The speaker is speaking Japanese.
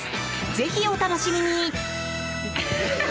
ぜひお楽しみに！